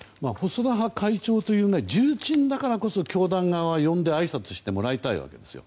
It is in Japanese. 細田派の会長という重鎮だからこそ教団側は呼んであいさつしてもらいたいわけですよ。